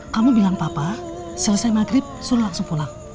kamu bilang papa selesai maghrib suruh langsung pulang